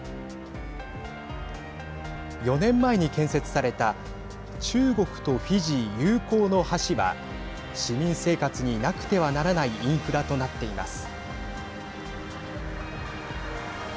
４年前に建設された中国とフィジー友好の橋は市民生活になくてはならないインフラとなっています。